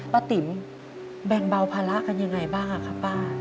ติ๋มแบ่งเบาภาระกันยังไงบ้างครับป้า